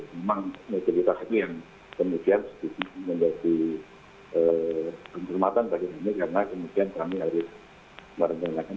memang ini kita yang kemudian menjadi penyelamatan bagi kami karena kemudian kami harus merentangkan